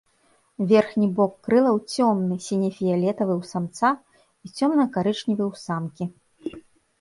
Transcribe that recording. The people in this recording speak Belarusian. Верхні бок крылаў цёмны, сіне-фіялетавы ў самца і цёмна-карычневы ў самкі.